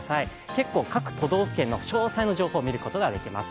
結構、各都道府県の詳細の情報を見ることができます。